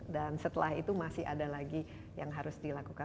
dan setelah itu masih ada lagi yang harus dilakukan